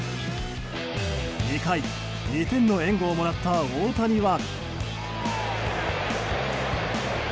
２回、２点の援護をもらった大谷は。